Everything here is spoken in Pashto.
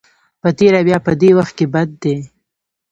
په تېره بیا په دې وخت کې بد دی.